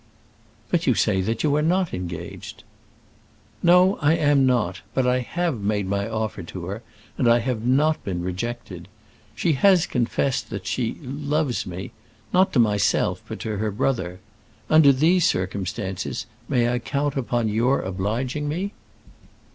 "But you say that you are not engaged." "No, I am not; but I have made my offer to her, and I have not been rejected. She has confessed that she loves me, not to myself, but to her brother. Under these circumstances, may I count upon your obliging me?"